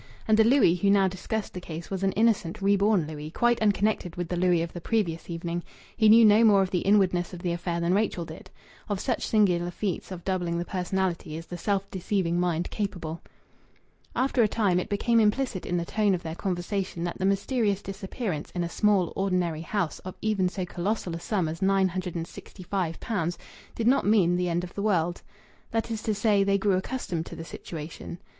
(And the Louis who now discussed the case was an innocent, reborn Louis, quite unconnected with the Louis of the previous evening; he knew no more of the inwardness of the affair than Rachel did. Of such singular feats of doubling the personality is the self deceiving mind capable.) After a time it became implicit in the tone of their conversation that the mysterious disappearance in a small, ordinary house of even so colossal a sum as nine hundred and sixty five pounds did not mean the end of the world. That is to say, they grew accustomed to the situation.